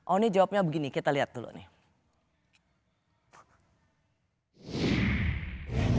oni jawabnya begini kita lihat dulu nih